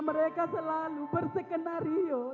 mereka selalu bersekenario